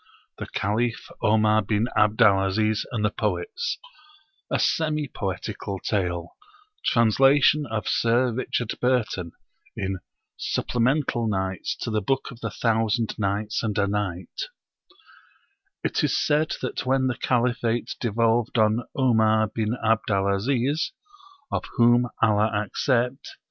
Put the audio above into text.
THE CALIPH OMAR BIN ABD AL AZIZ AND THE POETS A Semi Poetical Tale: Translation of Sir Richard Burton, in 'Supplemental Nights to the Book of The Thousand Nights and A Night' It is said that when the Caliphate devolved on Omar bin Abd al Aziz, (of whom Allah accept!)